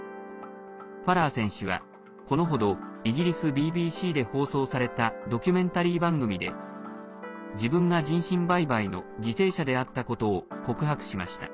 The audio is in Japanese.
ファラー選手は、このほどイギリスＢＢＣで放送されたドキュメンタリー番組で自分が人身売買の犠牲者であったことを告白しました。